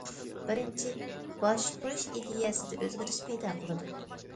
بىرىنچى، باشقۇرۇش ئىدىيەسىدە ئۆزگىرىش پەيدا قىلىدۇ.